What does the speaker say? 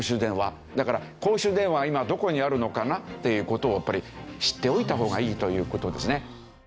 だから公衆電話は今どこにあるのかなっていう事をやっぱり知っておいた方がいいという事ですね。